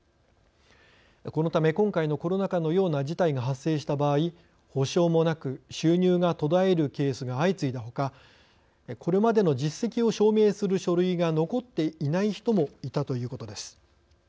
このため、今回のコロナ禍のような事態が発生した場合、補償もなく収入が途絶えるケースが相次いだほかこれまでの実績を証明する書類が残っていない人もいたということです。